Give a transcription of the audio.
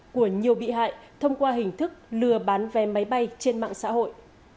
của nhiều bị hại thông qua hình thức lừa bán vé máy bay trên mạng xã hội